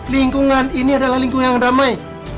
lingkungan ini adalah lingkungan yang damai